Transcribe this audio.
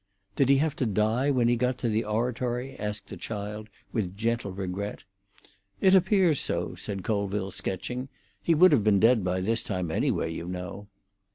"Did he have to die when he got to the oratory?" asked the child, with gentle regret. "It appears so," said Colville, sketching. "He would have been dead by this time, anyway, you know."